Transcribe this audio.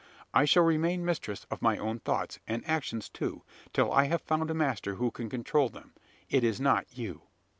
I shall remain mistress of my own thoughts and actions, too till I have found a master who can control them. It is not you!"